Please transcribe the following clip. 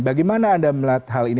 bagaimana anda melihat hal ini